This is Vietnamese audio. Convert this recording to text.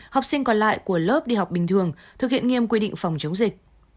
học sinh còn lại của lớp đi học bình thường thực hiện nghiêm quy định phòng chống dịch